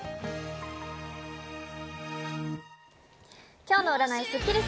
今日の占いスッキりす。